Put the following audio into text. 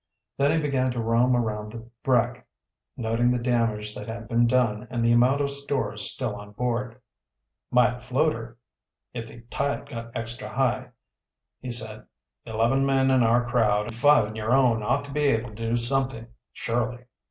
Then he began to roam around the wreck, noting the damage that had been done and the amount of stores still on board. "Might float her, if the tide got extra high," he said. "Eleven men in our crowd and five in your own ought to be able to do something, surely."